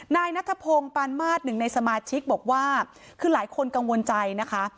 นายนัทพงศ์ปานมาสหนึ่งในสมาชิกบอกว่าคือหลายคนกังวลใจนะคะ